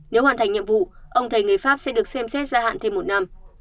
nếu hoàn thành nhiệm vụ ông thầy người pháp sẽ được xem xét gia hạn thêm một năm